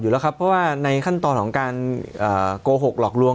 อยู่แล้วครับเพราะว่าในขั้นตอนของการโกหกหลอกลวง